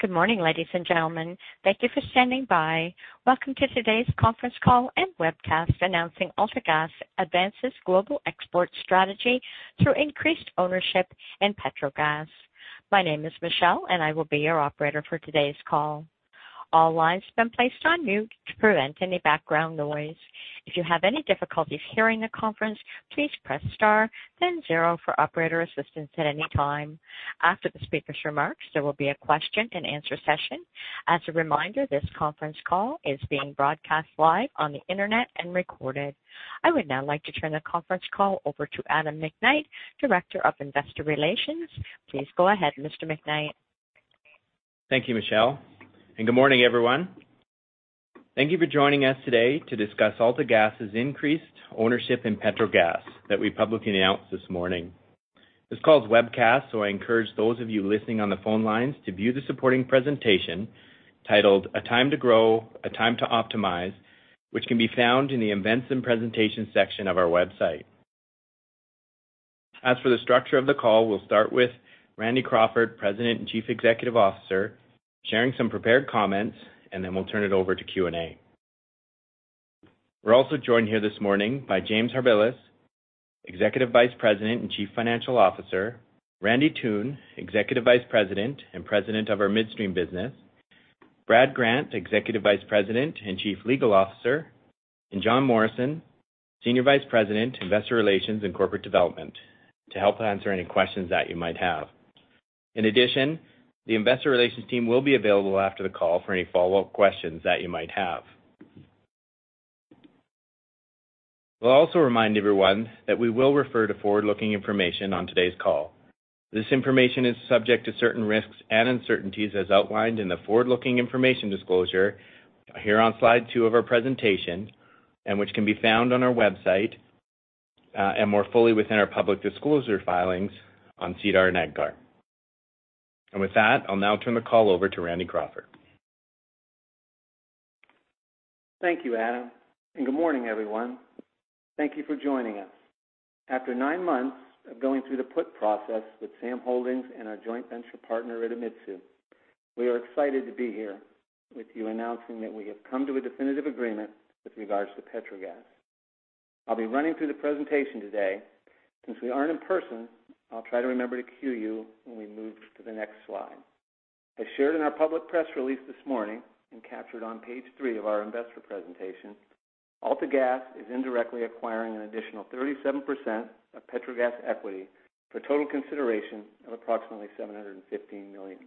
Good morning, ladies and gentlemen. Thank you for standing by. Welcome to today's conference call and webcast announcing AltaGas advances global export strategy through increased ownership in Petrogas. My name is Michelle, and I will be your operator for today's call. All lines have been placed on mute to prevent any background noise. If you have any difficulties hearing the conference, please press star then zero for operator assistance at any time. After the speaker's remarks, there will be a question-and-answer session. As a reminder, this conference call is being broadcast live on the internet and recorded. I would now like to turn the conference call over to Adam McKnight, Director of Investor Relations. Please go ahead, Mr. McKnight. Thank you, Michelle, and good morning, everyone. Thank you for joining us today to discuss AltaGas' increased ownership in Petrogas that we publicly announced this morning. This call is webcast. I encourage those of you listening on the phone lines to view the supporting presentation titled "A Time to Grow, a Time to Optimize," which can be found in the events and presentation section of our website. As for the structure of the call, we'll start with Randy Crawford, President and Chief Executive Officer, sharing some prepared comments, and then we'll turn it over to Q&A. We're also joined here this morning by James Harbilas, Executive Vice President and Chief Financial Officer, Randy Toone, Executive Vice President and President of our midstream business, Brad Grant, Executive Vice President and Chief Legal Officer, and Jon Morrison, Senior Vice President, Investor Relations and Corporate Development, to help answer any questions that you might have. In addition, the investor relations team will be available after the call for any follow-up questions that you might have. We'll also remind everyone that we will refer to forward-looking information on today's call. This information is subject to certain risks and uncertainties as outlined in the forward-looking information disclosure here on slide two of our presentation and which can be found on our website, and more fully within our public disclosure filings on SEDAR and EDGAR. With that, I'll now turn the call over to Randy Crawford. Thank you, Adam, and good morning, everyone. Thank you for joining us. After nine months of going through the put process with SAM Holdings and our joint venture partner, Idemitsu, we are excited to be here with you announcing that we have come to a definitive agreement with regards to Petrogas. I'll be running through the presentation today. Since we aren't in person, I'll try to remember to cue you when we move to the next slide. As shared in our public press release this morning and captured on page three of our investor presentation, AltaGas is indirectly acquiring an additional 37% of Petrogas equity for total consideration of approximately 715 million.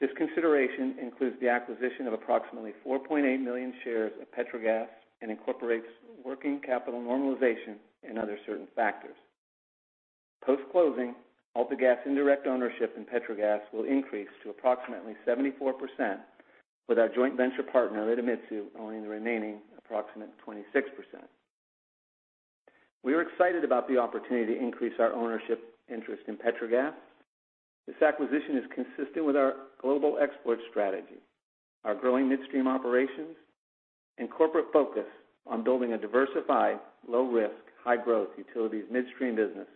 This consideration includes the acquisition of approximately 4.8 million shares of Petrogas and incorporates working capital normalization and other certain factors. Post-closing, AltaGas indirect ownership in Petrogas will increase to approximately 74%, with our joint venture partner, Idemitsu, owning the remaining approximate 26%. We are excited about the opportunity to increase our ownership interest in Petrogas. This acquisition is consistent with our global export strategy, our growing midstream operations, and corporate focus on building a diversified, low risk, high growth utilities midstream business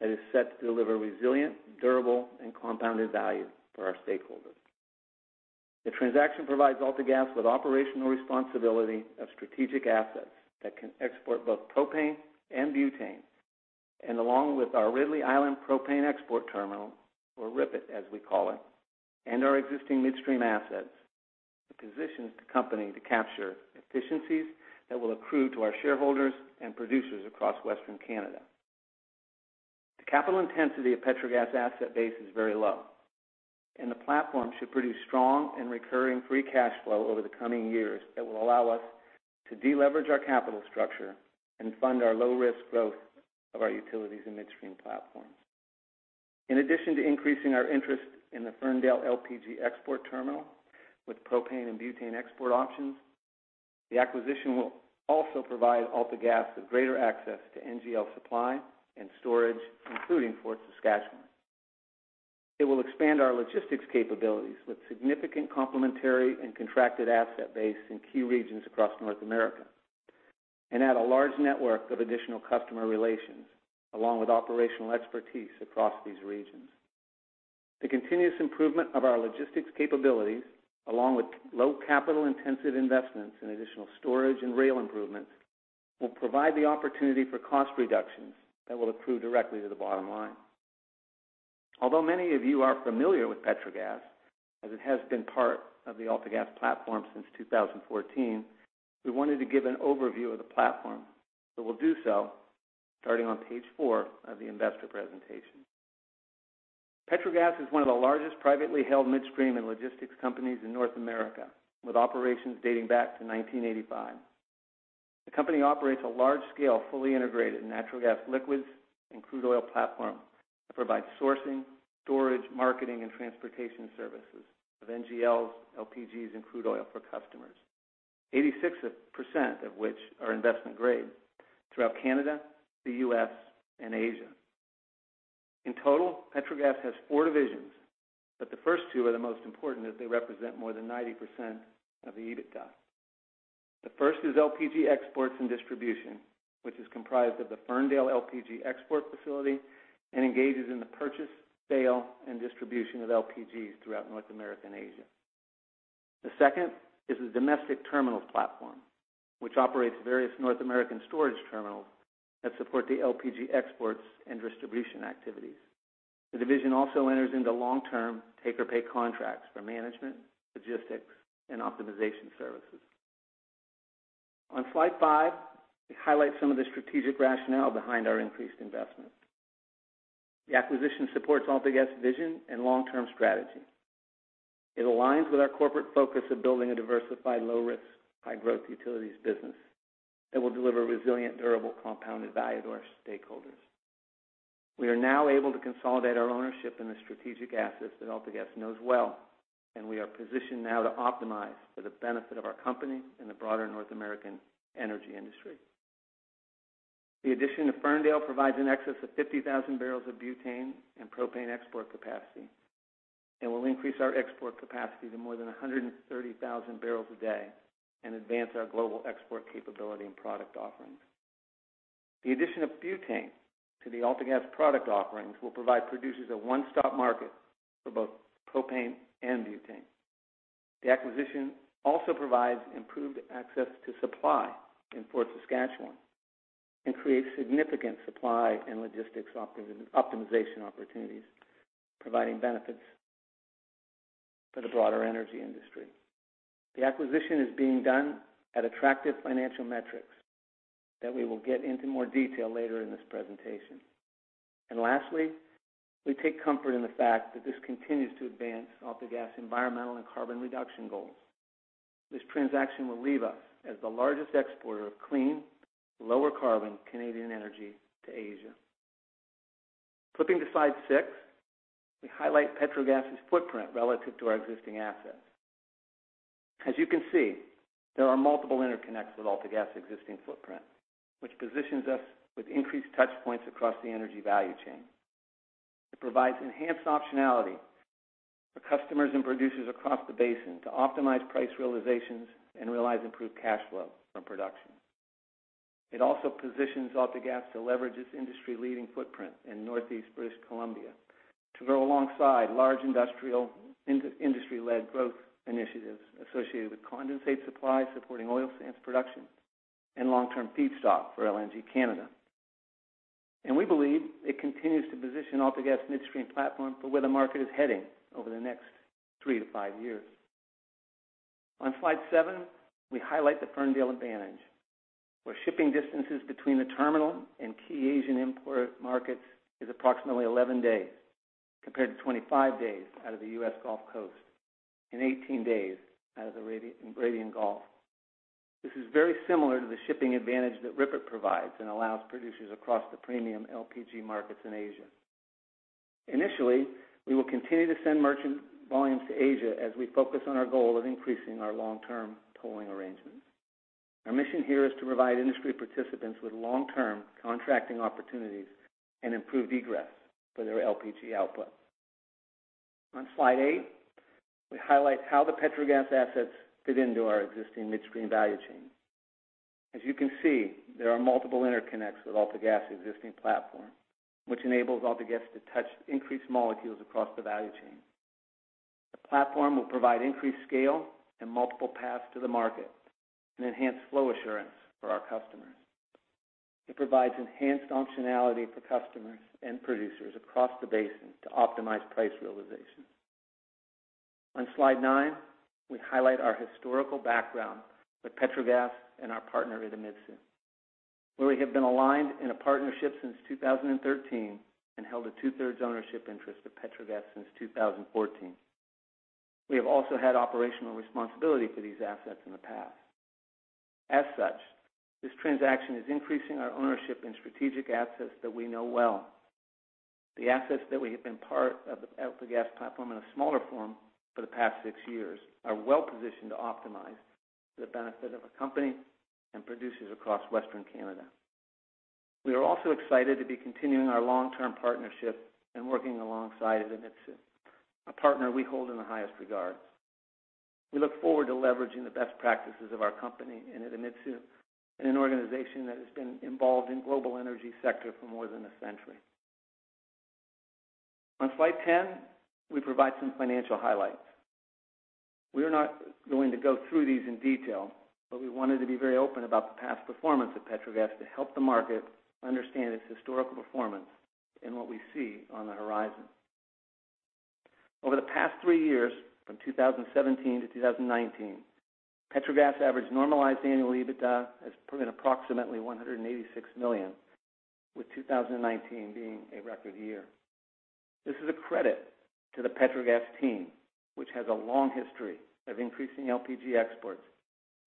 that is set to deliver resilient, durable and compounded value for our stakeholders. Along with our Ridley Island Propane Export Terminal, or RIPET, as we call it, and our existing midstream assets, it positions the company to capture efficiencies that will accrue to our shareholders and producers across Western Canada. The capital intensity of Petrogas asset base is very low, and the platform should produce strong and recurring free cash flow over the coming years that will allow us to deleverage our capital structure and fund our low-risk growth of our utilities and midstream platforms. In addition to increasing our interest in the Ferndale LPG export terminal with propane and butane export options, the acquisition will also provide AltaGas with greater access to NGL supply and storage, including Fort Saskatchewan. It will expand our logistics capabilities with significant complementary and contracted asset base in key regions across North America and add a large network of additional customer relations, along with operational expertise across these regions. The continuous improvement of our logistics capabilities, along with low capital intensive investments in additional storage and rail improvements, will provide the opportunity for cost reductions that will accrue directly to the bottom line. Although many of you are familiar with Petrogas, as it has been part of the AltaGas platform since 2014, we wanted to give an overview of the platform, so we'll do so starting on page four of the investor presentation. Petrogas is one of the largest privately held midstream and logistics companies in North America, with operations dating back to 1985. The company operates a large-scale, fully integrated natural gas liquids and crude oil platform that provides sourcing, storage, marketing, and transportation services of NGLs, LPGs and crude oil for customers, 86% of which are investment grade, throughout Canada, the U.S., and Asia. In total, Petrogas has four divisions, but the first two are the most important, as they represent more than 90% of the EBITDA. The first is LPG exports and distribution, which is comprised of the Ferndale LPG export facility and engages in the purchase, sale, and distribution of LPGs throughout North America and Asia. The second is the domestic terminals platform, which operates various North American storage terminals that support the LPG exports and distribution activities. The division also enters into long-term take-or-pay contracts for management, logistics, and optimization services. On slide five, we highlight some of the strategic rationale behind our increased investment. The acquisition supports AltaGas' vision and long-term strategy. It aligns with our corporate focus of building a diversified, low-risk, high-growth utilities business that will deliver resilient, durable, compounded value to our stakeholders. We are now able to consolidate our ownership in the strategic assets that AltaGas knows well, and we are positioned now to optimize for the benefit of our company and the broader North American energy industry. The addition of Ferndale provides in excess of 50,000 bbl of butane and propane export capacity and will increase our export capacity to more than 130,000 bbl a day and advance our global export capability and product offerings. The addition of butane to the AltaGas product offerings will provide producers a one-stop market for both propane and butane. The acquisition also provides improved access to supply in Fort Saskatchewan and creates significant supply and logistics optimization opportunities, providing benefits for the broader energy industry. The acquisition is being done at attractive financial metrics that we will get into more detail later in this presentation. Lastly, we take comfort in the fact that this continues to advance AltaGas' environmental and carbon reduction goals. This transaction will leave us as the largest exporter of clean, lower carbon Canadian energy to Asia. Flipping to slide six, we highlight Petrogas' footprint relative to our existing assets. As you can see, there are multiple interconnects with AltaGas' existing footprint, which positions us with increased touchpoints across the energy value chain. It provides enhanced optionality for customers and producers across the basin to optimize price realizations and realize improved cash flow from production. It also positions AltaGas to leverage its industry-leading footprint in Northeast British Columbia to grow alongside large industry-led growth initiatives associated with condensate supply, supporting oil sands production, and long-term feedstock for LNG Canada. We believe it continues to position AltaGas midstream platform for where the market is heading over the next three to five years. On slide seven, we highlight the Ferndale advantage, where shipping distances between the terminal and key Asian import markets is approximately 11 days, compared to 25 days out of the U.S. Gulf Coast and 18 days out of the Arabian Gulf. This is very similar to the shipping advantage that RIPET provides and allows producers across the premium LPG markets in Asia. Initially, we will continue to send merchant volumes to Asia as we focus on our goal of increasing our long-term tolling arrangements. Our mission here is to provide industry participants with long-term contracting opportunities and improved egress for their LPG output. On slide eight, we highlight how the Petrogas assets fit into our existing midstream value chain. As you can see, there are multiple interconnects with AltaGas' existing platform, which enables AltaGas to touch increased molecules across the value chain. The platform will provide increased scale and multiple paths to the market and enhance flow assurance for our customers. It provides enhanced functionality for customers and producers across the basin to optimize price realization. On slide nine, we highlight our historical background with Petrogas and our partner, Idemitsu, where we have been aligned in a partnership since 2013 and held a 2/3 ownership interest of Petrogas since 2014. We have also had operational responsibility for these assets in the past. As such, this transaction is increasing our ownership in strategic assets that we know well. The assets that we have been part of the AltaGas platform in a smaller form for the past six years are well-positioned to optimize for the benefit of our company and producers across Western Canada. We are also excited to be continuing our long-term partnership and working alongside Idemitsu, a partner we hold in the highest regards. We look forward to leveraging the best practices of our company and Idemitsu in an organization that has been involved in global energy sector for more than a century. On slide 10, we provide some financial highlights. We are not going to go through these in detail, but we wanted to be very open about the past performance of Petrogas to help the market understand its historical performance and what we see on the horizon. Over the past three years, from 2017 to 2019, Petrogas' average normalized annual EBITDA has proven approximately 186 million, with 2019 being a record year. This is a credit to the Petrogas team, which has a long history of increasing LPG exports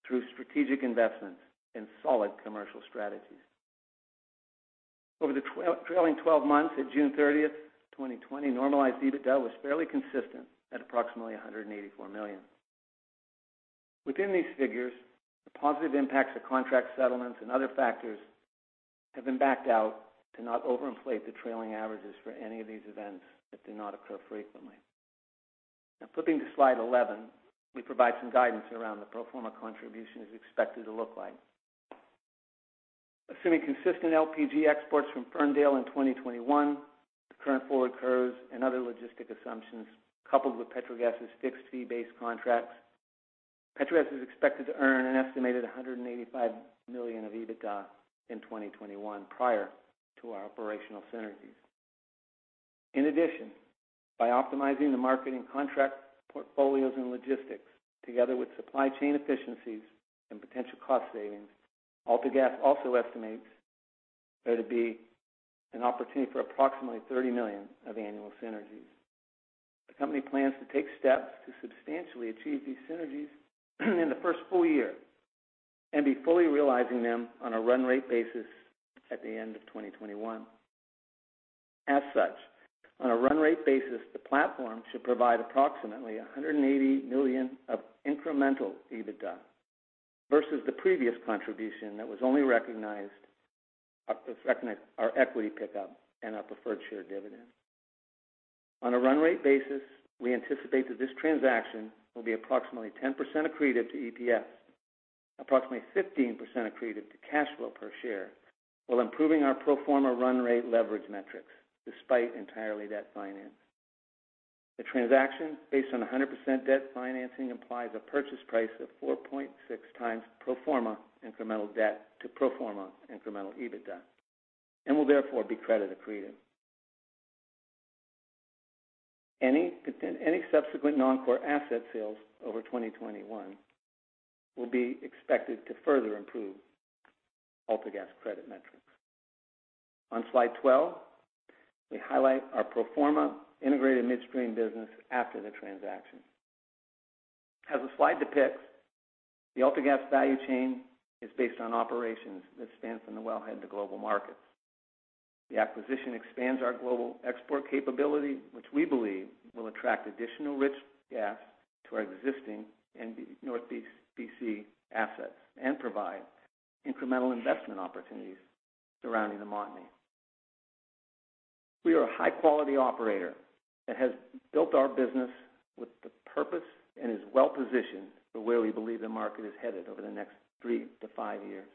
through strategic investments and solid commercial strategies. Over the trailing 12 months at June 30th, 2020, normalized EBITDA was fairly consistent at approximately 184 million. Within these figures, the positive impacts of contract settlements and other factors have been backed out to not overinflate the trailing averages for any of these events that do not occur frequently. Flipping to slide 11, we provide some guidance around the pro forma contribution as expected to look like. Assuming consistent LPG exports from Ferndale in 2021, the current forward curves and other logistic assumptions, coupled with Petrogas' fixed fee-based contracts, Petrogas is expected to earn an estimated 185 million of EBITDA in 2021 prior to our operational synergies. In addition, by optimizing the marketing contract portfolios and logistics, together with supply chain efficiencies and potential cost savings, AltaGas also estimates there to be an opportunity for approximately 30 million of annual synergies. The company plans to take steps to substantially achieve these synergies in the first full year and be fully realizing them on a run-rate basis at the end of 2021. As such, on a run-rate basis, the platform should provide approximately 180 million of incremental EBITDA versus the previous contribution that was only recognized our equity pickup and our preferred share dividend. On a run-rate basis, we anticipate that this transaction will be approximately 10% accretive to EPS, approximately 15% accretive to cash flow per share, while improving our pro forma run-rate leverage metrics despite entirely debt finance. The transaction, based on 100% debt financing, implies a purchase price of 4.6x pro forma incremental debt to pro forma incremental EBITDA and will therefore be credit accretive. Any subsequent non-core asset sales over 2021 will be expected to further improve AltaGas credit metrics. On slide 12, we highlight our pro forma integrated midstream business after the transaction. As the slide depicts, the AltaGas value chain is based on operations that spans from the wellhead to global markets. The acquisition expands our global export capability, which we believe will attract additional rich gas to our existing North B.C. assets and provide incremental investment opportunities surrounding the Montney. We are a high-quality operator that has built our business with the purpose and is well-positioned for where we believe the market is headed over the next three to five years.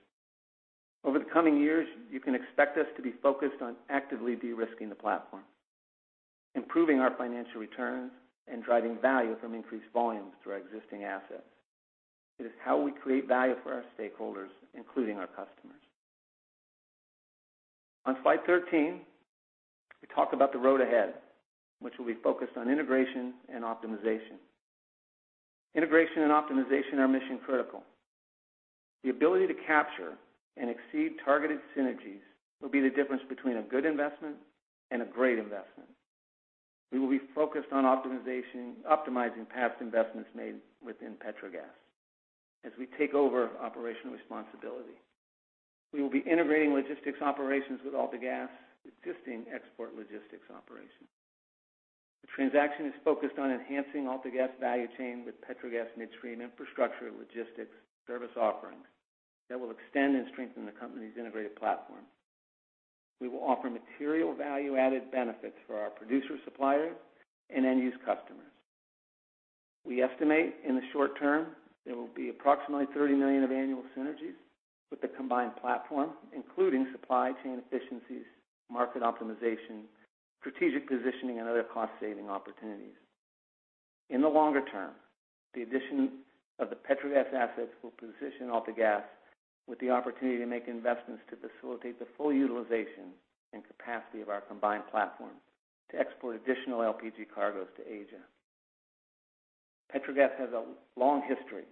Over the coming years, you can expect us to be focused on actively de-risking the platform, improving our financial returns, and driving value from increased volumes through our existing assets. It is how we create value for our stakeholders, including our customers. On slide 13, we talk about the road ahead, which will be focused on integration and optimization. Integration and optimization are mission-critical. The ability to capture and exceed targeted synergies will be the difference between a good investment and a great investment. We will be focused on optimizing past investments made within Petrogas as we take over operational responsibility. We will be integrating logistics operations with AltaGas' existing export logistics operations. The transaction is focused on enhancing AltaGas' value chain with Petrogas midstream infrastructure logistics service offerings that will extend and strengthen the company's integrated platform. We will offer material value-added benefits for our producer suppliers and end-use customers. We estimate in the short term, there will be approximately 30 million of annual synergies with the combined platform, including supply chain efficiencies, market optimization, strategic positioning, and other cost-saving opportunities. In the longer term, the addition of the Petrogas assets will position AltaGas with the opportunity to make investments to facilitate the full utilization and capacity of our combined platform to export additional LPG cargoes to Asia. Petrogas has a long history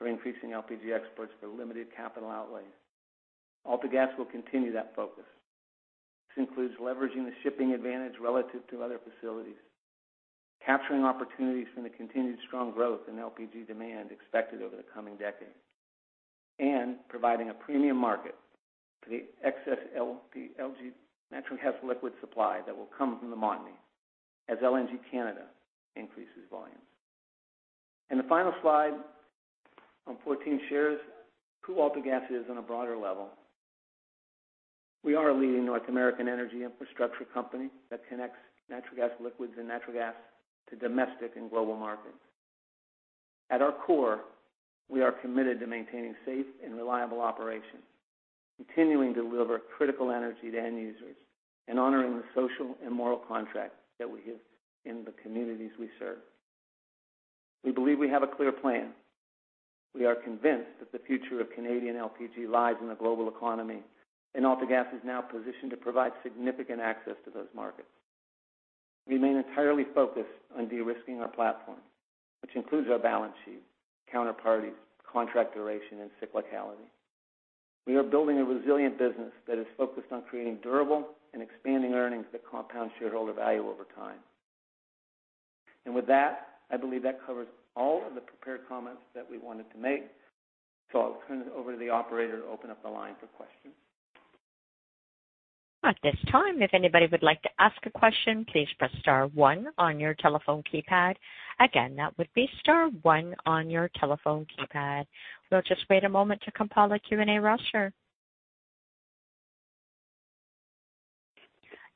of increasing LPG exports for limited capital outlay. AltaGas will continue that focus. This includes leveraging the shipping advantage relative to other facilities, capturing opportunities from the continued strong growth in LPG demand expected over the coming decade, and providing a premium market for the excess natural gas liquid supply that will come from the Montney as LNG Canada increases volumes. In the final slide, on 14, shares who AltaGas is on a broader level. We are a leading North American energy infrastructure company that connects natural gas liquids and natural gas to domestic and global markets. At our core, we are committed to maintaining safe and reliable operations, continuing to deliver critical energy to end users, and honoring the social and moral contract that we have in the communities we serve. We believe we have a clear plan. We are convinced that the future of Canadian LPG lies in the global economy, and AltaGas is now positioned to provide significant access to those markets. We remain entirely focused on de-risking our platform, which includes our balance sheet, counterparties, contract duration, and cyclicality. We are building a resilient business that is focused on creating durable and expanding earnings that compound shareholder value over time. With that, I believe that covers all of the prepared comments that we wanted to make. I'll turn it over to the operator to open up the line for questions. At this time, if anybody would like to ask a question, please press star one on your telephone keypad. Again, that will be star one on your telephone keypad. We'll just wait a moment to compile a Q&A roster.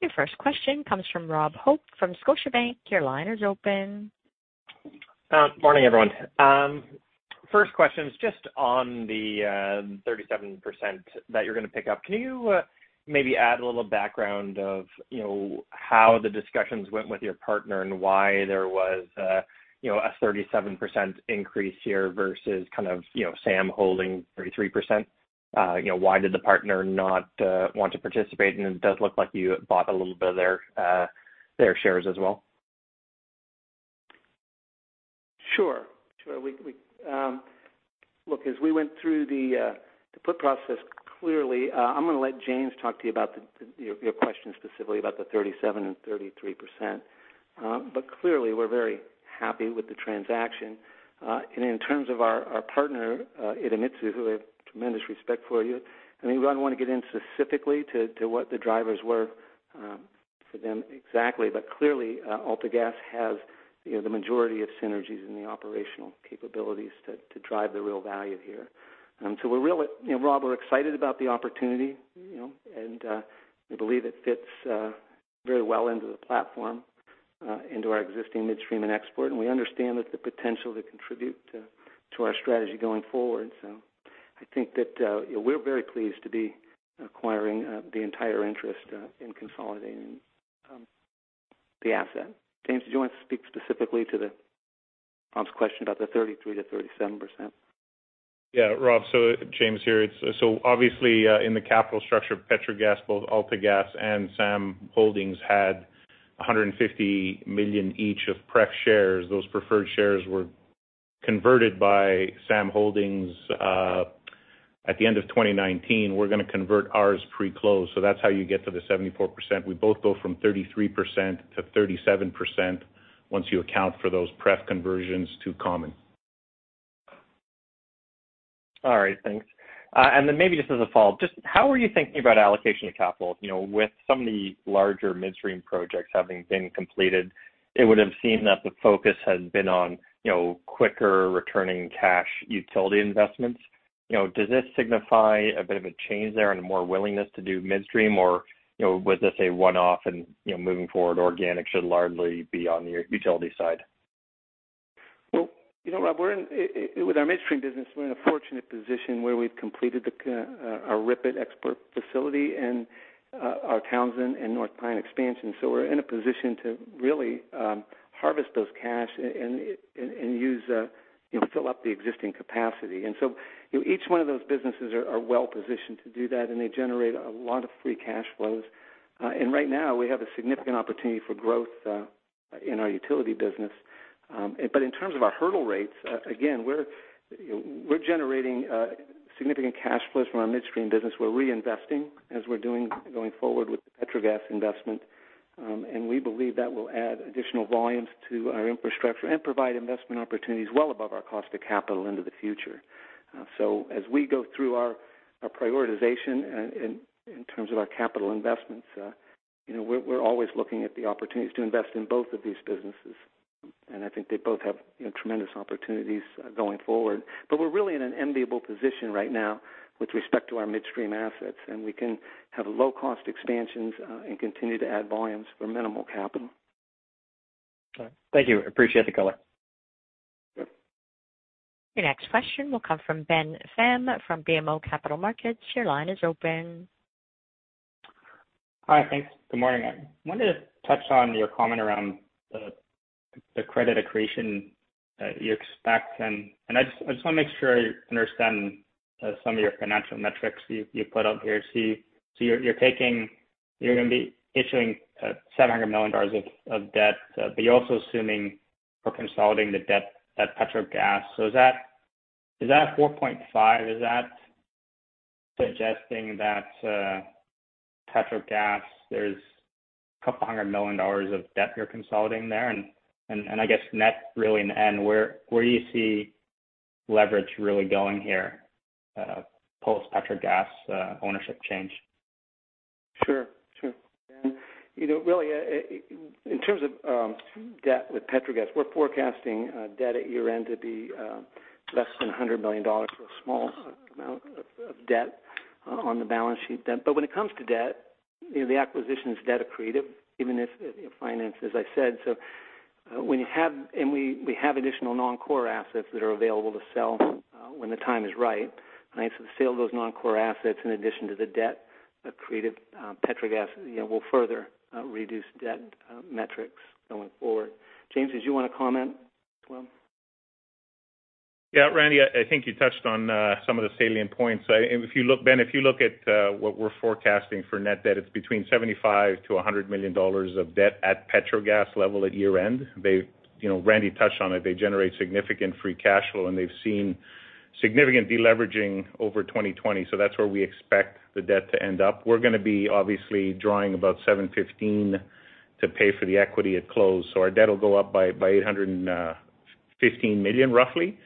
Your first question comes from Rob Hope from Scotiabank. Your line is open. Morning, everyone. First question is just on the 37% that you're going to pick up. Can you maybe add a little background of how the discussions went with your partner and why there was a 37% increase here versus SAM Holdings 33%? Why did the partner not want to participate? It does look like you bought a little bit of their shares as well. Sure. Look, as we went through the put process, clearly I'm going to let James talk to you about your question specifically about the 37% and 33%. Clearly, we're very happy with the transaction. In terms of our partner, Idemitsu, who I have tremendous respect for you. I mean, we don't want to get in specifically to what the drivers were for them exactly. Clearly, AltaGas has the majority of synergies and the operational capabilities to drive the real value here. Rob, we're excited about the opportunity, and we believe it fits very well into the platform, into our existing midstream and export. We understand that the potential to contribute to our strategy going forward. I think that we're very pleased to be acquiring the entire interest in consolidating the asset. James, do you want to speak specifically to Rob's question about the 33%-37%? Yeah, Rob. James here. Obviously, in the capital structure of Petrogas, both AltaGas and SAM Holdings had 150 million each of pref shares. Those preferred shares were converted by SAM Holdings at the end of 2019. We're going to convert ours pre-close. That's how you get to the 74%. We both go from 33%-37% once you account for those pref conversions to common. All right, thanks. Maybe just as a follow-up, just how are you thinking about allocation of capital? With some of the larger midstream projects having been completed, it would have seemed that the focus has been on quicker returning cash utility investments. Does this signify a bit of a change there and more willingness to do midstream? Was this a one-off and moving forward organic should largely be on the utility side? Rob, with our midstream business, we're in a fortunate position where we've completed our RIPET export facility and our Townsend and North Pine expansion. We're in a position to really harvest those cash and fill up the existing capacity. Each one of those businesses are well-positioned to do that, and they generate a lot of free cash flows. Right now we have a significant opportunity for growth in our utility business. In terms of our hurdle rates, again, we're generating significant cash flows from our midstream business. We're reinvesting as we're doing going forward with the Petrogas investment, and we believe that will add additional volumes to our infrastructure and provide investment opportunities well above our cost of capital into the future. As we go through our prioritization and in terms of our capital investments, we're always looking at the opportunities to invest in both of these businesses. I think they both have tremendous opportunities going forward. We're really in an enviable position right now with respect to our midstream assets, and we can have low-cost expansions and continue to add volumes for minimal capital. All right. Thank you. Appreciate the color. Your next question will come from Ben Pham from BMO Capital Markets. Your line is open. Hi. Thanks. Good morning. I wanted to touch on your comment around the credit accretion that you expect, and I just want to make sure I understand some of your financial metrics you put up here. You're going to be issuing 700 million dollars of debt, but you're also assuming or consolidating the debt at Petrogas. Is that 4.5, is that suggesting that Petrogas, there's couple hundred million dollars of debt you're consolidating there? I guess net really in the end, where do you see leverage really going here post-Petrogas ownership change? Sure. Ben, really in terms of debt with Petrogas, we're forecasting debt at year-end to be less than 100 million dollars. A small amount of debt on the balance sheet. When it comes to debt, the acquisition is debt accretive, even if financed, as I said. We have additional non-core assets that are available to sell when the time is right. The sale of those non-core assets in addition to the debt accretive Petrogas, will further reduce debt metrics going forward. James, did you want to comment as well? Randy, I think you touched on some of the salient points. Ben, if you look at what we're forecasting for net debt, it's between 75 million-100 million dollars of debt at Petrogas level at year-end. Randy touched on it. They generate significant free cash flow, and they've seen significant de-leveraging over 2020. That's where we expect the debt to end up. We're going to be obviously drawing about 715 to pay for the equity at close. Our debt will go up by 815 million, roughly.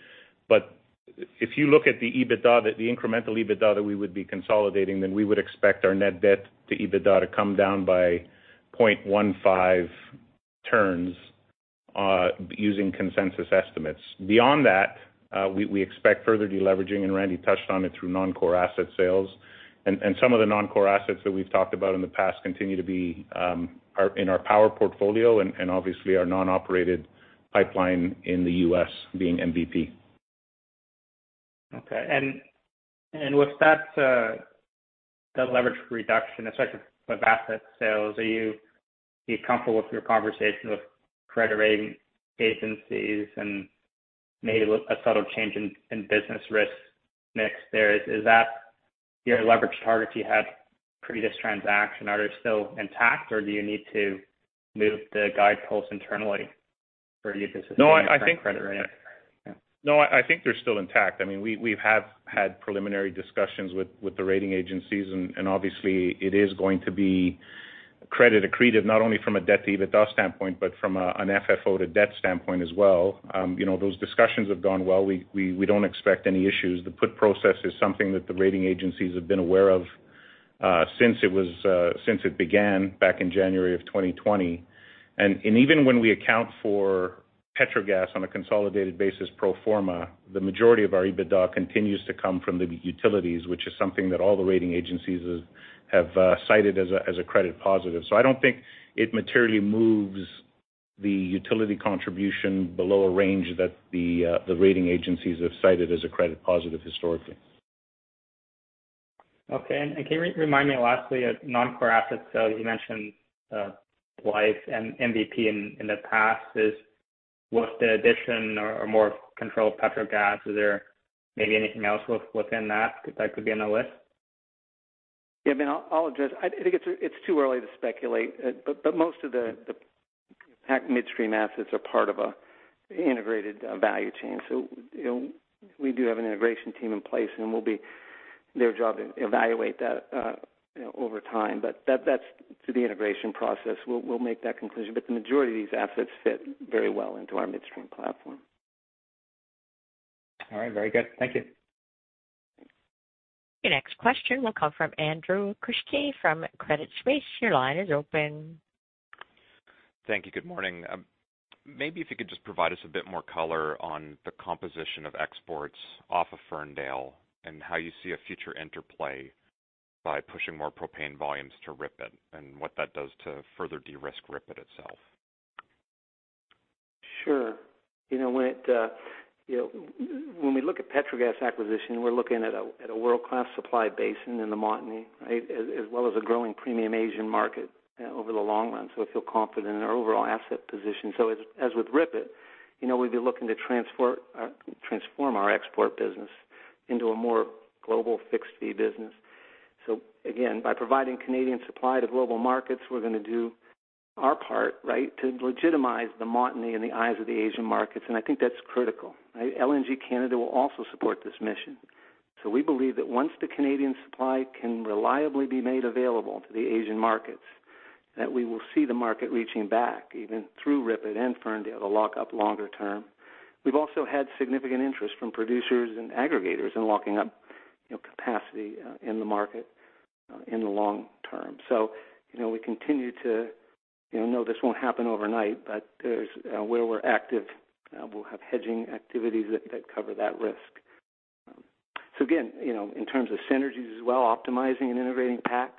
If you look at the incremental EBITDA that we would be consolidating, then we would expect our net debt to EBITDA to come down by 0.15 turns using consensus estimates. Beyond that, we expect further deleveraging, and Randy touched on it through non-core asset sales. Some of the non-core assets that we've talked about in the past continue to be in our power portfolio and obviously our non-operated pipeline in the U.S. being MVP. With that leverage reduction, especially with asset sales, are you comfortable with your conversation with credit rating agencies and maybe a subtle change in business risk mix there? Is that your leverage target you had previous transaction? Are they still intact, or do you need to move the guideposts internally for you to sustain credit rating? No, I think they're still intact. We have had preliminary discussions with the rating agencies, obviously it is going to be credit accretive, not only from a net debt to EBITDA standpoint, but from an FFO to debt standpoint as well. Those discussions have gone well. We don't expect any issues. The put process is something that the rating agencies have been aware of since it began back in January of 2020. Even when we account for Petrogas on a consolidated basis pro forma, the majority of our EBITDA continues to come from the utilities, which is something that all the rating agencies have cited as a credit positive. I don't think it materially moves the utility contribution below a range that the rating agencies have cited as a credit positive historically. Okay. Can you remind me lastly of non-core asset sales? You mentioned Blythe and MVP in the past. With the addition or more control of Petrogas, is there maybe anything else within that could be on the list? Yeah, Ben, I'll address. I think it's too early to speculate. Most of the midstream assets are part of an integrated value chain. We do have an integration team in place, and it will be their job to evaluate that over time. That's through the integration process. We'll make that conclusion. The majority of these assets fit very well into our midstream platform. All right. Very good. Thank you. Your next question will come from Andrew Kuske from Credit Suisse. Your line is open. Thank you. Good morning. If you could just provide us a bit more color on the composition of exports off of Ferndale and how you see a future interplay by pushing more propane volumes to RIPET, and what that does to further de-risk RIPET itself? Sure. When we look at Petrogas acquisition, we're looking at a world-class supply basin in the Montney, as well as a growing premium Asian market over the long run. We feel confident in our overall asset position. As with RIPET, we'd be looking to transform our export business into a more global fixed-fee business. Again, by providing Canadian supply to global markets, we're going to do our part to legitimize the Montney in the eyes of the Asian markets, and I think that's critical. LNG Canada will also support this mission. We believe that once the Canadian supply can reliably be made available to the Asian markets, that we will see the market reaching back, even through RIPET and Ferndale to lock up longer-term. We've also had significant interest from producers and aggregators in locking up capacity in the market in the long term. No, this won't happen overnight, but where we're active, we'll have hedging activities that cover that risk. Again, in terms of synergies as well, optimizing and integrating PAC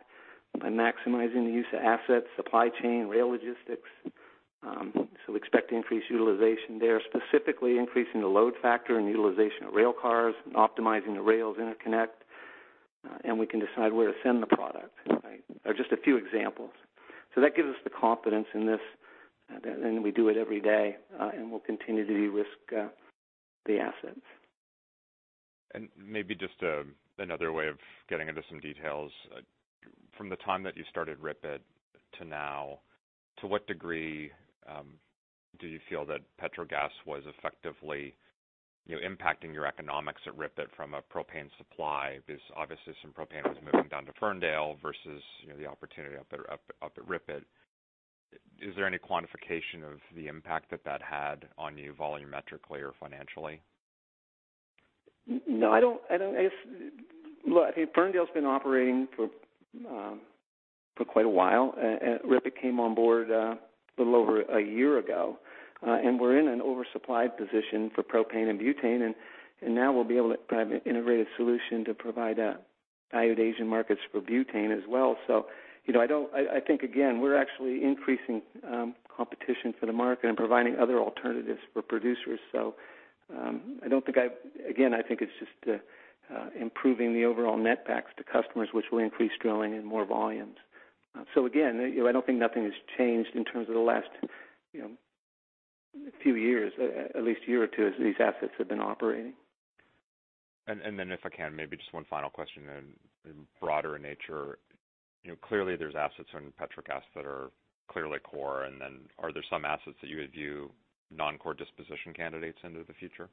by maximizing the use of assets, supply chain, rail logistics, expect increased utilization there, specifically increasing the load factor and utilization of rail cars, optimizing the rails interconnect, and we can decide where to send the product, are just a few examples. That gives us the confidence in this, and we do it every day, and we'll continue to de-risk the assets. Maybe just another way of getting into some details. From the time that you started RIPET to now, to what degree do you feel that Petrogas was effectively impacting your economics at RIPET from a propane supply? Because obviously some propane was moving down to Ferndale versus the opportunity up at RIPET. Is there any quantification of the impact that that had on you volumetrically or financially? No. Look, I think Ferndale's been operating for quite a while. RIPET came on board a little over a year ago. We're in an oversupplied position for propane and butane, and now we'll be able to have an integrated solution to provide valued Asian markets for butane as well. I think again, we're actually increasing competition for the market and providing other alternatives for producers. Again, I think it's just improving the overall net backs to customers, which will increase drilling and more volumes. Again, I don't think nothing has changed in terms of the last few years, at least a year or two, as these assets have been operating. If I can, maybe just one final question, broader in nature. Clearly there's assets in Petrogas that are clearly core, and then are there some assets that you would view non-core disposition candidates into the future?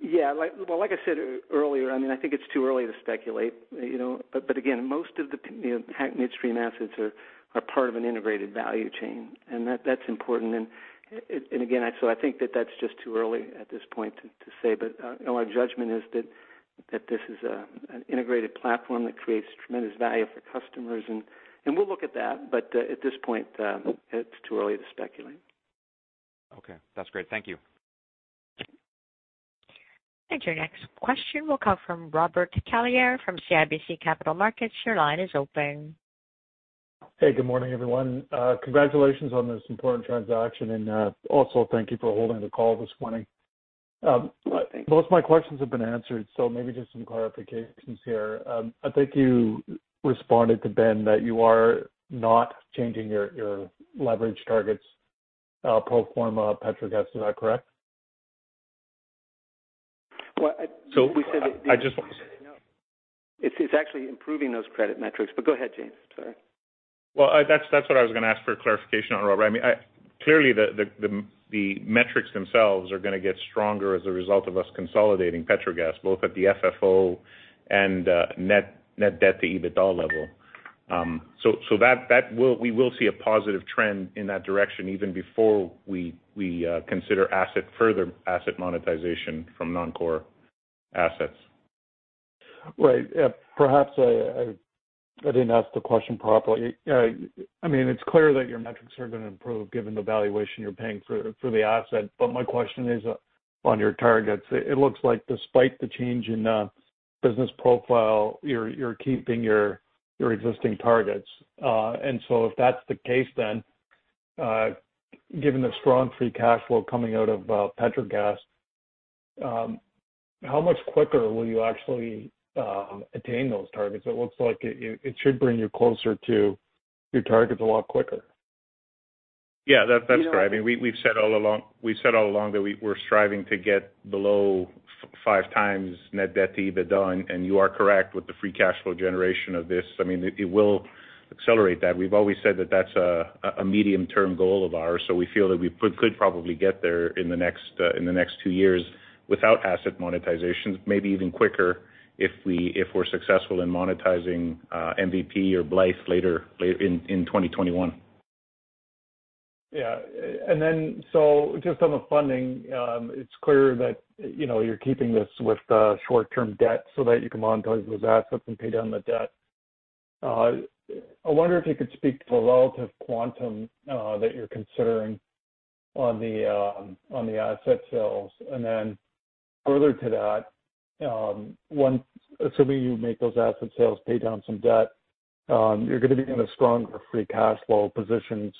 Yeah. Well, like I said earlier, I think it's too early to speculate. Again, most of the midstream assets are part of an integrated value chain, and that's important. Again, I think that's just too early at this point to say. Our judgment is that this is an integrated platform that creates tremendous value for customers. We'll look at that, but at this point, it's too early to speculate. Okay. That's great. Thank you. Your next question will come from Robert Catellier from CIBC Capital Markets. Your line is open. Hey, good morning, everyone. Congratulations on this important transaction. Also, thank you for holding the call this morning. Most of my questions have been answered. Maybe just some clarifications here. I think you responded to Ben that you are not changing your leverage targets pro forma Petrogas. Is that correct? Well. So I just- It's actually improving those credit metrics. Go ahead, James. Sorry. That's what I was going to ask for clarification on, Robert. Clearly, the metrics themselves are going to get stronger as a result of us consolidating Petrogas, both at the FFO and net debt to EBITDA level. We will see a positive trend in that direction even before we consider further asset monetization from non-core assets. Right. Perhaps I didn't ask the question properly. It's clear that your metrics are going to improve given the valuation you're paying for the asset. My question is on your targets. It looks like despite the change in business profile, you're keeping your existing targets. If that's the case, given the strong free cash flow coming out of Petrogas, how much quicker will you actually attain those targets? It looks like it should bring you closer to your targets a lot quicker. Yeah, that's right. We've said all along that we're striving to get below 5x net debt to EBITDA. You are correct, with the free cash flow generation of this, it will accelerate that. We've always said that that's a medium-term goal of ours. We feel that we could probably get there in the next two years without asset monetization, maybe even quicker if we're successful in monetizing MVP or Blythe later in 2021. Yeah. Just on the funding, it's clear that you're keeping this with short-term debt so that you can monetize those assets and pay down the debt. I wonder if you could speak to the relative quantum that you're considering on the asset sales. Further to that, assuming you make those asset sales, pay down some debt, you're going to be in a stronger free cash flow position.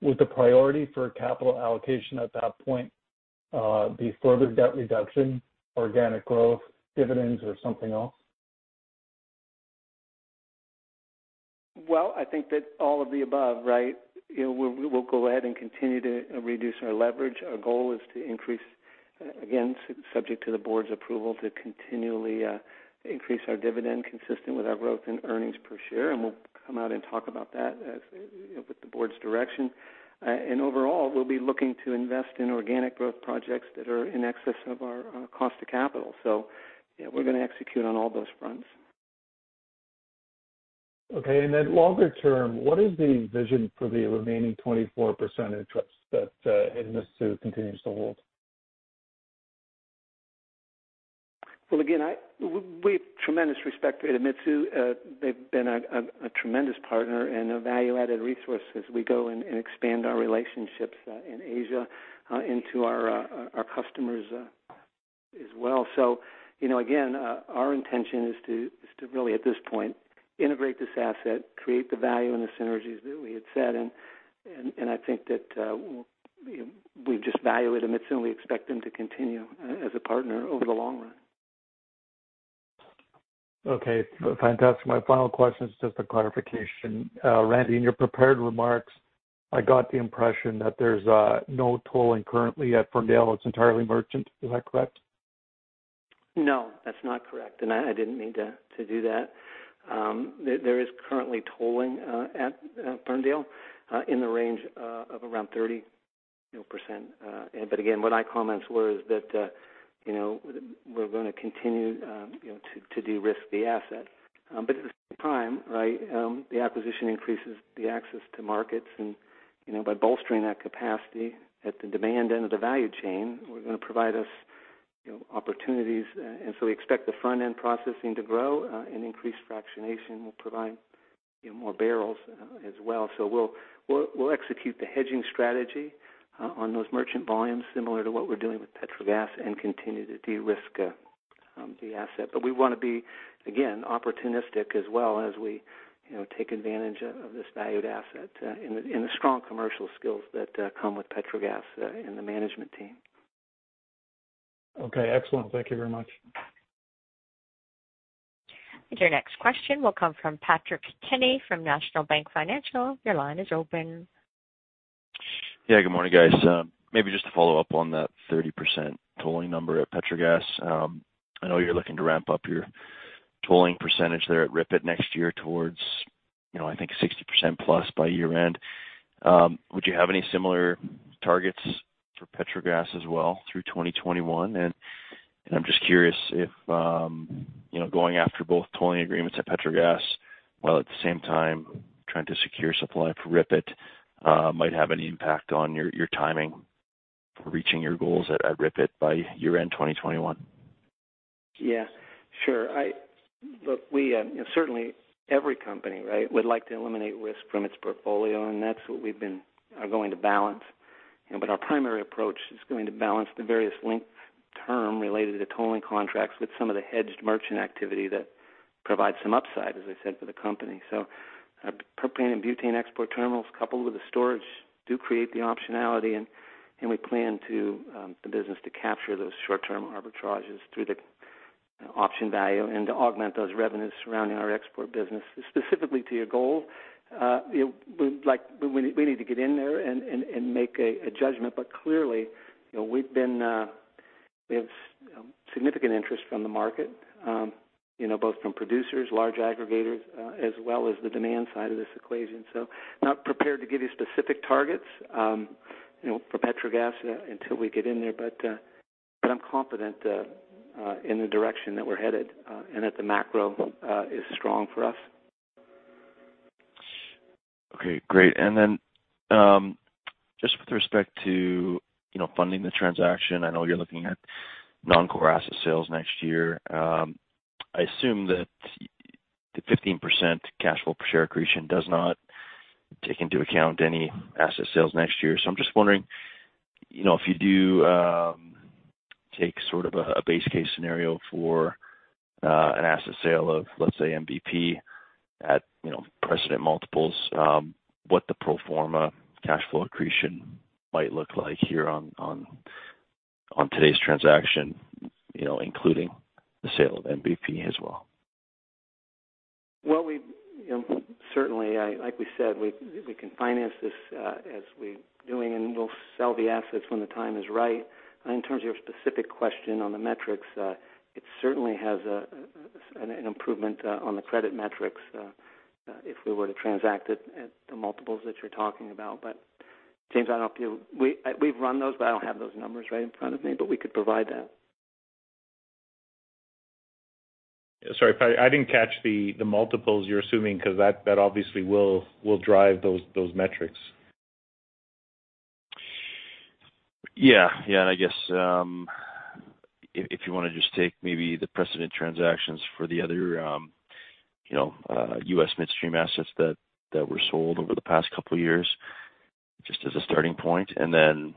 Would the priority for capital allocation at that point be further debt reduction, organic growth, dividends, or something else? Well, I think that all of the above, right? We'll go ahead and continue to reduce our leverage. Our goal is to increase, again, subject to the board's approval, to continually increase our dividend consistent with our growth in earnings per share. We'll come out and talk about that with the board's direction. Overall, we'll be looking to invest in organic growth projects that are in excess of our cost of capital. Yeah, we're going to execute on all those fronts. Okay. Longer term, what is the vision for the remaining 24% interest that Idemitsu continues to hold? Well, again, we have tremendous respect for Idemitsu. They've been a tremendous partner and a value-added resource as we go and expand our relationships in Asia into our customers as well. Again, our intention is to really, at this point, integrate this asset, create the value and the synergies that we had said. I think that we just value Idemitsu, and we expect them to continue as a partner over the long run. Okay. Fantastic. My final question is just a clarification. Randy, in your prepared remarks, I got the impression that there's no tolling currently at Ferndale. It's entirely merchant. Is that correct? No, that's not correct. I didn't mean to do that. There is currently tolling at Ferndale in the range of around 30%. Again, what my comments were is that we're going to continue to de-risk the asset. At the same time, the acquisition increases the access to markets. By bolstering that capacity at the demand end of the value chain, we're going to provide us opportunities. We expect the front-end processing to grow and increased fractionation will provide more barrels as well. We'll execute the hedging strategy on those merchant volumes similar to what we're doing with Petrogas and continue to de-risk the asset. We want to be, again, opportunistic as well as we take advantage of this valued asset and the strong commercial skills that come with Petrogas and the management team. Okay. Excellent. Thank you very much. Your next question will come from Patrick Kenny from National Bank Financial. Your line is open. Yeah. Good morning, guys. Maybe just to follow up on that 30% tolling number at Petrogas. I know you're looking to ramp up your tolling percentage there at RIPET next year towards, I think, 60%+ by year-end. Would you have any similar targets for Petrogas as well through 2021? I'm just curious if going after both tolling agreements at Petrogas, while at the same time trying to secure supply for RIPET, might have any impact on your timing for reaching your goals at RIPET by year-end 2021. Yeah, sure. Look, certainly every company would like to eliminate risk from its portfolio, and that's what we've been going to balance. Our primary approach is going to balance the various linked term related to tolling contracts with some of the hedged merchant activity that provides some upside, as I said, for the company. Propane and butane export terminals, coupled with the storage, do create the optionality, and we plan the business to capture those short-term arbitrages through the option value and to augment those revenues surrounding our export business. Specifically to your goal, we need to get in there and make a judgment. Clearly, we have significant interest from the market both from producers, large aggregators, as well as the demand side of this equation. I'm not prepared to give you specific targets for Petrogas until we get in there, but I'm confident in the direction that we're headed and that the macro is strong for us. Okay, great. Then just with respect to funding the transaction, I know you're looking at non-core asset sales next year. I assume that the 15% cash flow per share accretion does not take into account any asset sales next year. So I'm just wondering if you do take sort of a base case scenario for an asset sale of, let's say, MVP at precedent multiples, what the pro forma cash flow accretion might look like here on today's transaction including the sale of MVP as well. Well, certainly, like we said, we can finance this as we're doing, and we'll sell the assets when the time is right. In terms of your specific question on the metrics, it certainly has an improvement on the credit metrics if we were to transact it at the multiples that you're talking about. James, I don't know. We've run those, but I don't have those numbers right in front of me. We could provide that. Sorry, I didn't catch the multiples you're assuming, because that obviously will drive those metrics. I guess if you want to just take maybe the precedent transactions for the other U.S. midstream assets that were sold over the past couple of years, just as a starting point, and then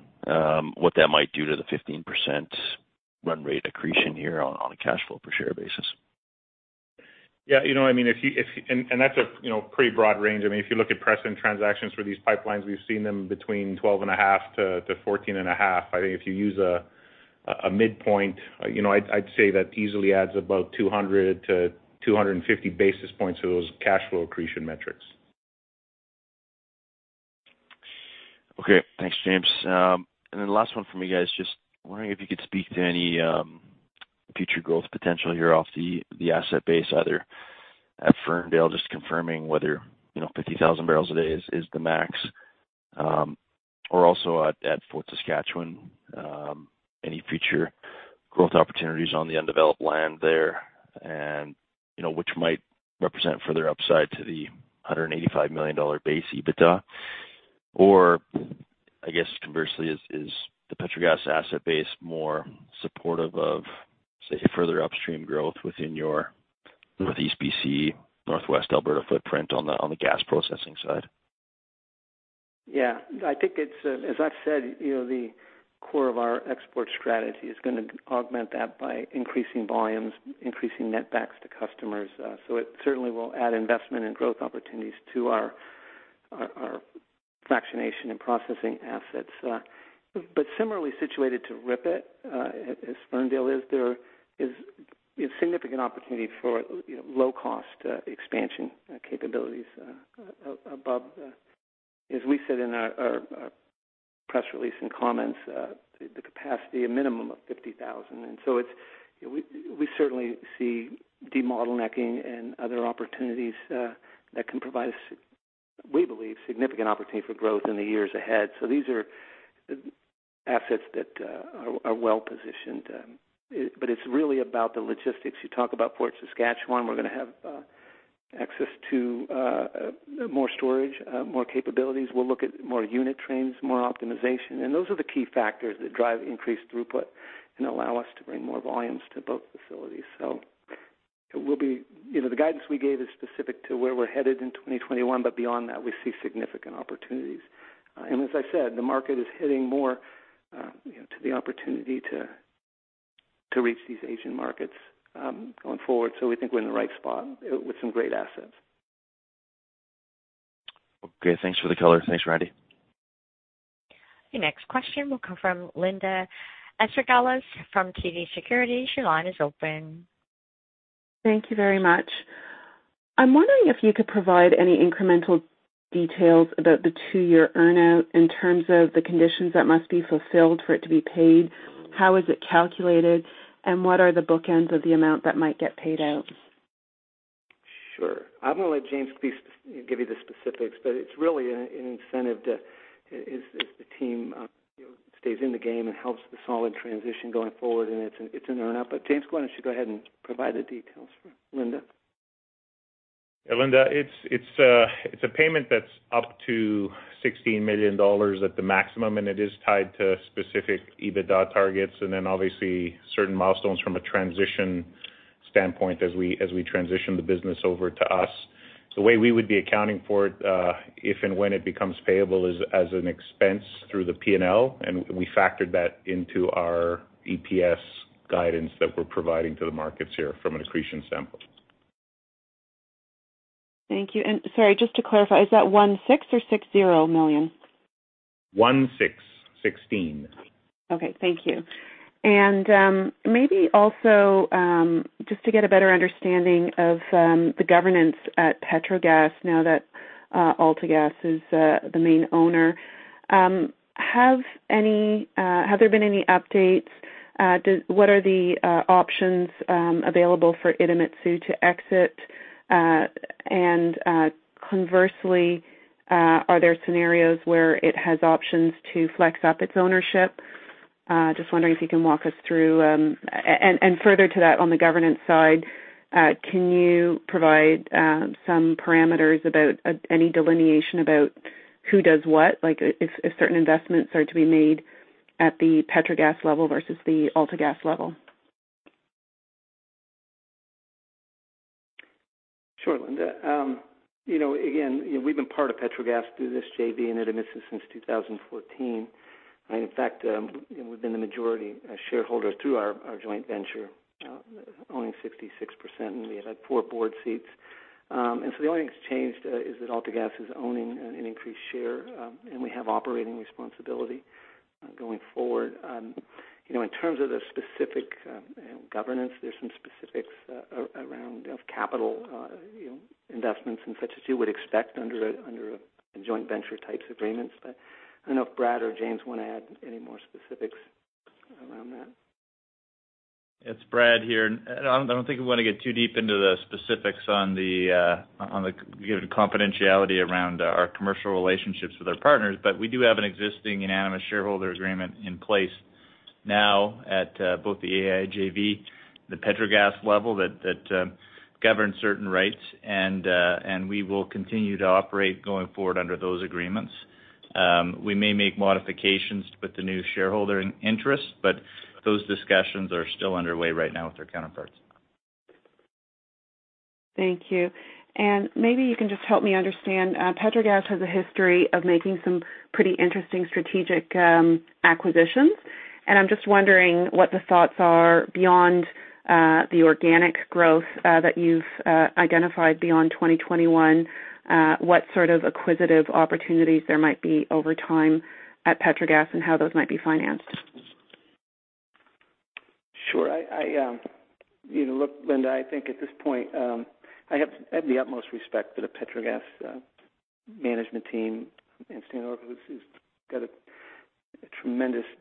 what that might do to the 15% run rate accretion here on a cash flow per share basis. Yeah, that's a pretty broad range. If you look at precedent transactions for these pipelines, we've seen them between 12.5-14.5. I think if you use a midpoint, I'd say that easily adds about 200-250 basis points to those cash flow accretion metrics. Okay, thanks, James. Last one for me, guys. Just wondering if you could speak to any future growth potential here off the asset base, either at Ferndale, just confirming whether 50,000 bbl a day is the max, or also at Fort Saskatchewan any future growth opportunities on the undeveloped land there, and which might represent further upside to the 185 million dollar base EBITDA? I guess conversely, is the Petrogas asset base more supportive of, say, further upstream growth within your Northeast BC, Northwest Alberta footprint on the gas processing side? Yeah. As I've said, the core of our export strategy is going to augment that by increasing volumes, increasing netbacks to customers. It certainly will add investment and growth opportunities to our fractionation and processing assets. Similarly situated to RIPET as Ferndale is, there is significant opportunity for low-cost expansion capabilities above, as we said in our press release and comments, the capacity a minimum of 50,000. We certainly see de-bottlenecking and other opportunities that can provide us, we believe, significant opportunity for growth in the years ahead. These are assets that are well-positioned. It's really about the logistics. You talk about Fort Saskatchewan, we're going to have access to more storage, more capabilities. We'll look at more unit trains, more optimization, and those are the key factors that drive increased throughput and allow us to bring more volumes to both facilities. The guidance we gave is specific to where we're headed in 2021, but beyond that, we see significant opportunities. As I said, the market is hitting more to the opportunity to reach these Asian markets going forward. We think we're in the right spot with some great assets. Okay, thanks for the color. Thanks, Randy. Your next question will come from Linda Ezergailis from TD Securities. Your line is open. Thank you very much. I'm wondering if you could provide any incremental details about the two-year earn-out in terms of the conditions that must be fulfilled for it to be paid. How is it calculated, and what are the bookends of the amount that might get paid out? Sure. I'm going to let James give you the specifics, but it's really an incentive that the team stays in the game and helps the solid transition going forward, and it's an earn-out. James, why don't you go ahead and provide the details for Linda? Linda, it's a payment that's up to 16 million dollars at the maximum. It is tied to specific EBITDA targets. Obviously certain milestones from a transition standpoint as we transition the business over to us. The way we would be accounting for it, if and when it becomes payable, is as an expense through the P&L. We factored that into our EPS guidance that we're providing to the markets here from an accretion standpoint. Thank you. Sorry, just to clarify, is that 16 million or 60 million? 16. Okay. Thank you. Maybe also, just to get a better understanding of the governance at Petrogas now that AltaGas is the main owner. Have there been any updates? What are the options available for Idemitsu to exit? Conversely, are there scenarios where it has options to flex up its ownership? Just wondering if you can walk us through. Further to that, on the governance side, can you provide some parameters about any delineation about who does what, like if certain investments are to be made at the Petrogas level versus the AltaGas level? Sure, Linda. We've been part of Petrogas through this JV and Idemitsu since 2014. In fact, we've been the majority shareholder through our joint venture, owning 66%, and we had four board seats. The only thing that's changed is that AltaGas is owning an increased share, and we have operating responsibility going forward. In terms of the specific governance, there's some specifics around capital investments and such as you would expect under a joint venture types of agreements. I don't know if Brad or James want to add any more specifics around that. It's Brad here. I don't think we want to get too deep into the specifics on the given confidentiality around our commercial relationships with our partners. We do have an existing unanimous shareholder agreement in place now at both the AIJV, the Petrogas level that governs certain rights. We will continue to operate going forward under those agreements. We may make modifications with the new shareholder interests. Those discussions are still underway right now with our counterparts. Thank you. Maybe you can just help me understand. Petrogas has a history of making some pretty interesting strategic acquisitions, and I'm just wondering what the thoughts are beyond the organic growth that you've identified beyond 2021. What sort of acquisitive opportunities there might be over time at Petrogas and how those might be financed? Sure. Look, Linda, I think at this point, I have the utmost respect for the Petrogas management team and Stan Owerko, who's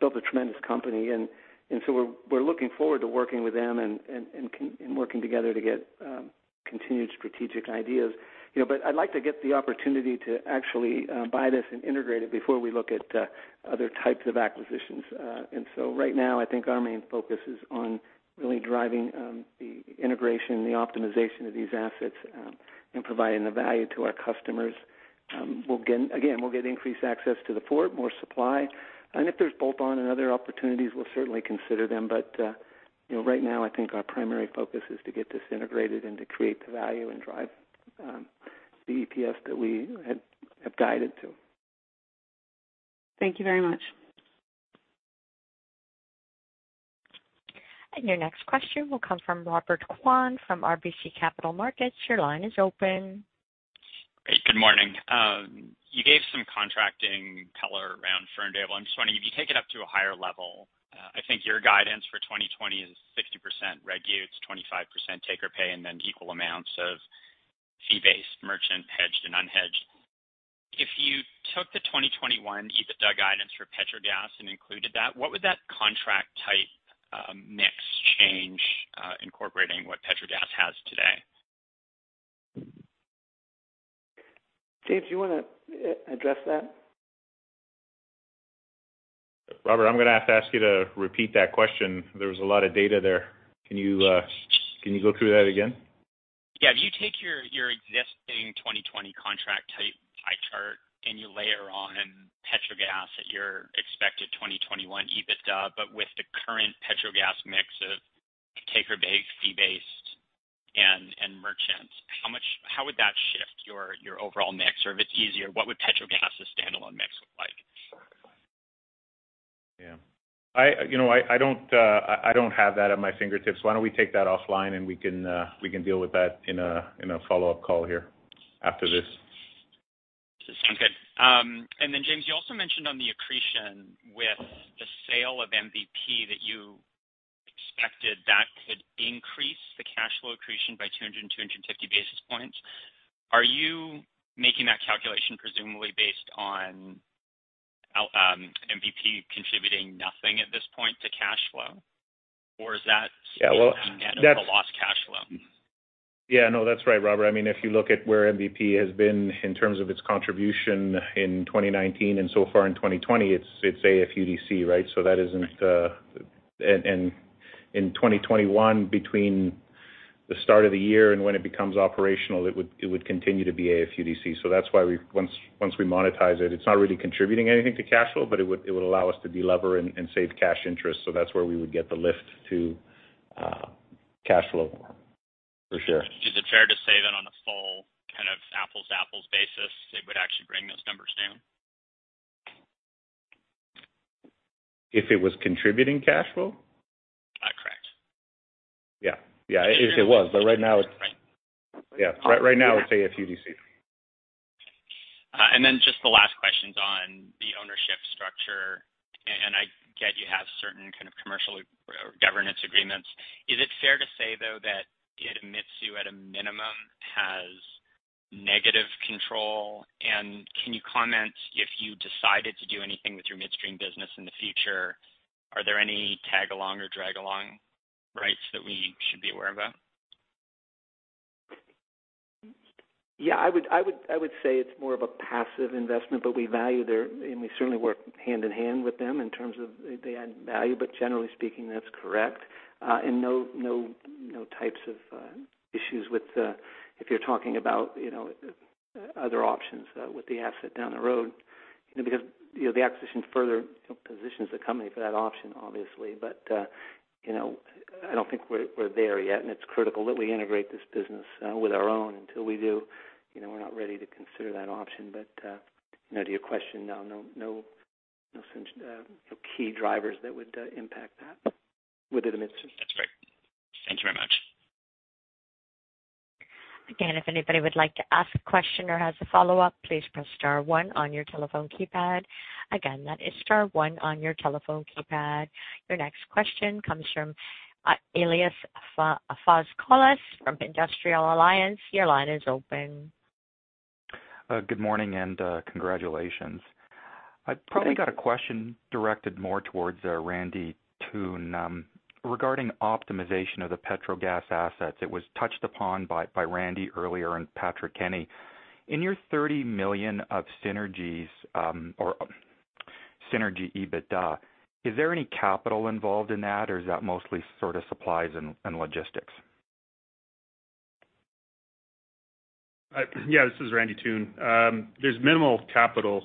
built a tremendous company. We're looking forward to working with them and working together to get continued strategic ideas. I'd like to get the opportunity to actually buy this and integrate it before we look at other types of acquisitions. Right now, I think our main focus is on really driving the integration and the optimization of these assets and providing the value to our customers. Again, we'll get increased access to the port, more supply, and if there's bolt-on and other opportunities, we'll certainly consider them. Right now, I think our primary focus is to get this integrated and to create the value and drive the EPS that we have guided to. Thank you very much. Your next question will come from Robert Kwan from RBC Capital Markets. Your line is open. Great. Good morning. You gave some contracting color around Ferndale. I am just wondering if you take it up to a higher level, I think your guidance for 2020 is 60% regulated, 25% take-or-pay, and then equal amounts of fee-based, merchant, hedged, and unhedged. If you took the 2021 EBITDA guidance for Petrogas and included that, what would that contract type mix change incorporating what Petrogas has today? James, do you want to address that? Robert, I'm going to have to ask you to repeat that question. There was a lot of data there. Can you go through that again? Yeah. If you take your existing 2020 contract type pie chart and you layer on Petrogas at your expected 2021 EBITDA, but with the current Petrogas mix of take-or-pay, fee-based, and merchant, how would that shift your overall mix? If it's easier, what would Petrogas standalone mix look like? Yeah. I don't have that at my fingertips. Why don't we take that offline, and we can deal with that in a follow-up call here after this. Sounds good. Then James, you also mentioned on the accretion with the sale of MVP that you expected that could increase the cash flow accretion by 200, 250 basis points. Are you making that calculation presumably based on MVP contributing nothing at this point to cash flow? Or is that net of a lost cash flow? Yeah, no, that's right, Robert. If you look at where MVP has been in terms of its contribution in 2019 and so far in 2020, it's AFUDC, right? In 2021, between the start of the year and when it becomes operational, it would continue to be AFUDC. That's why once we monetize it's not really contributing anything to cash flow, but it would allow us to delever and save cash interest, so that's where we would get the lift to cash flow for sure. Is it fair to say then on a full kind of apples basis, it would actually bring those numbers down? If it was contributing cash flow? Correct. Yeah. Right. Yeah. Right now it's AFUDC. Just the last question's on the ownership structure. I get you have certain kind of commercial or governance agreements. Is it fair to say, though, that Idemitsu at a minimum has negative control? Can you comment if you decided to do anything with your midstream business in the future, are there any tag-along or drag-along rights that we should be aware about? Yeah, I would say it's more of a passive investment, but we certainly work hand-in-hand with them in terms of they add value, but generally speaking, that's correct. No types of issues with, if you're talking about other options with the asset down the road because the acquisition further positions the company for that option, obviously. I don't think we're there yet, and it's critical that we integrate this business with our own. Until we do, we're not ready to consider that option. To your question, no key drivers that would impact that within the midstream. That's great. Thank you very much. Again, if anybody would like to ask a question or has a follow-up, please press star one on your telephone keypad. Again, that is star one on your telephone keypad. Your next question comes from Elias Foscolos from Industrial Alliance. Your line is open. Good morning. Congratulations. Good day. I've probably got a question directed more towards Randy Toone regarding optimization of the Petrogas assets. It was touched upon by Randy earlier and Patrick Kenny. In your 30 million of synergies or synergy EBITDA, is there any capital involved in that, or is that mostly sort of supplies and logistics? Yeah, this is Randy Toone. There's minimal capital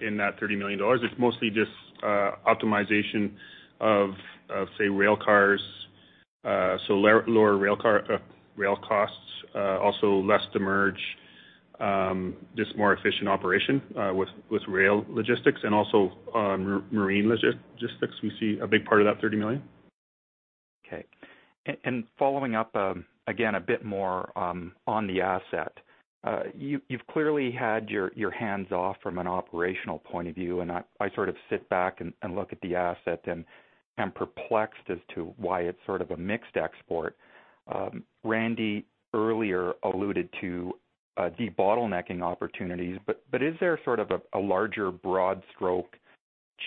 in that 30 million dollars. It's mostly just optimization of, say, rail cars. Lower rail costs. Less demurrage, just more efficient operation with rail logistics and also marine logistics, we see a big part of that 30 million. Okay. Following up, again, a bit more on the asset. You've clearly had your hands off from an operational point of view, and I sort of sit back and look at the asset and I'm perplexed as to why it's sort of a mixed export. Randy earlier alluded to debottlenecking opportunities, is there sort of a larger broad stroke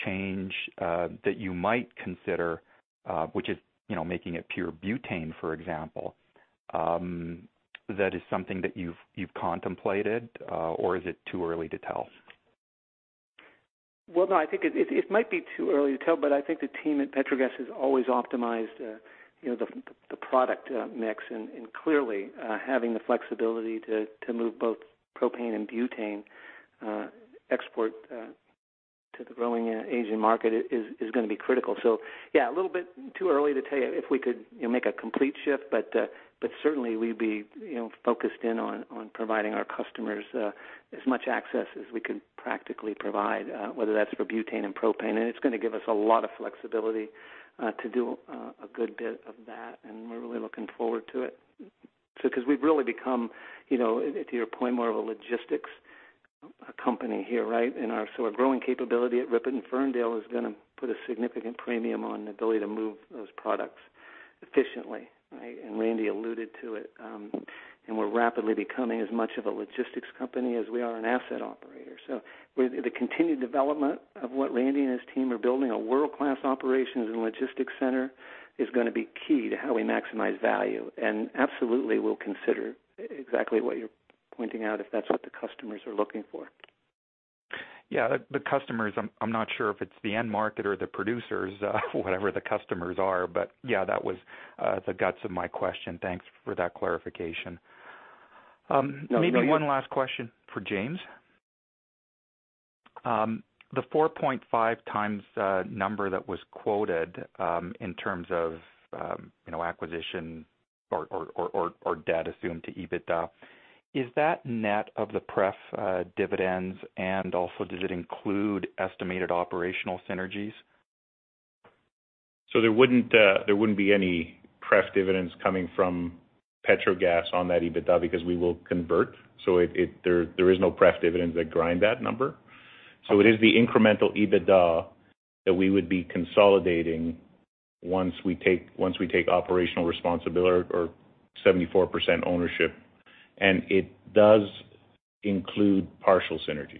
change that you might consider, which is making it pure butane, for example? That is something that you've contemplated, or is it too early to tell? Well, no, I think it might be too early to tell, but I think the team at Petrogas has always optimized the product mix and clearly having the flexibility to move both propane and butane export to the growing Asian market is going to be critical. Yeah, a little bit too early to tell you if we could make a complete shift, but certainly we'd be focused in on providing our customers as much access as we could practically provide, whether that's for butane and propane, and it's going to give us a lot of flexibility to do a good bit of that, and we're really looking forward to it. We've really become, to your point, more of a logistics company here, right? Our sort of growing capability at RIPET and Ferndale is going to put a significant premium on the ability to move those products efficiently, right? Randy alluded to it, and we're rapidly becoming as much of a logistics company as we are an asset operator. The continued development of what Randy and his team are building, a world-class operations and logistics center, is going to be key to how we maximize value. Absolutely, we'll consider exactly what you're pointing out, if that's what the customers are looking for. Yeah, the customers, I'm not sure if it's the end market or the producers, whatever the customers are. Yeah, that was the guts of my question. Thanks for that clarification. No, thank you. Maybe one last question for James. The 4.5x number that was quoted in terms of acquisition or debt assumed to EBITDA, is that net of the pref dividends and also does it include estimated operational synergies? There wouldn't be any pref dividends coming from Petrogas on that EBITDA because we will convert, so there is no pref dividends that grind that number. It is the incremental EBITDA that we would be consolidating once we take operational responsibility or 74% ownership, and it does include partial synergies.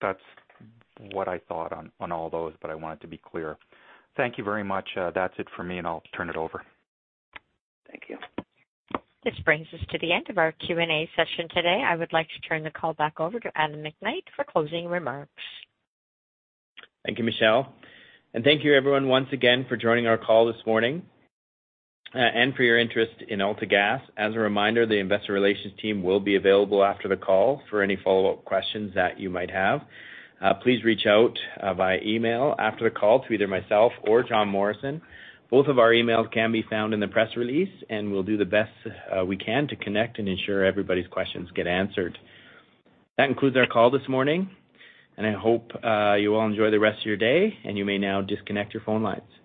That's what I thought on all those, but I wanted to be clear. Thank you very much. That's it for me, and I'll turn it over. Thank you. This brings us to the end of our Q&A session today. I would like to turn the call back over to Adam McKnight for closing remarks. Thank you, Michelle. Thank you everyone once again for joining our call this morning and for your interest in AltaGas. As a reminder, the investor relations team will be available after the call for any follow-up questions that you might have. Please reach out via email after the call to either myself or Jon Morrison. Both of our emails can be found in the press release. We'll do the best we can to connect and ensure everybody's questions get answered. That concludes our call this morning. I hope you all enjoy the rest of your day. You may now disconnect your phone lines.